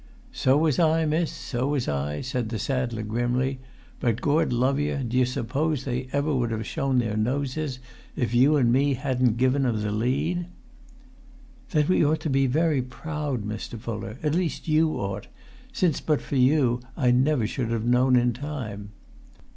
"So was I, miss; so was I," said the saddler, grimly; "but, Gord love yer, do you suppose they ever would have shown their noses if you an' me hadn't given 'em the lead?" "Then we ought to be very proud, Mr. Fuller; at least you ought, since but for you I never should have known in time."